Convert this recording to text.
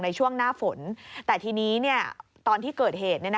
ในช่วงหน้าฝนแต่ทีนี้ตอนที่เกิดเหตุ